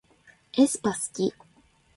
aespa すき